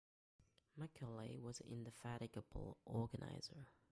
Macaulay was an indefatigable organiser.